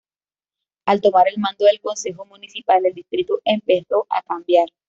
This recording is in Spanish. Al tomar el mando del Concejo Municipal, el distrito empezó a cambiar.